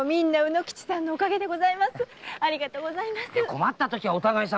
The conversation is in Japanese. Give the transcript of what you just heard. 困ったときはお互い様。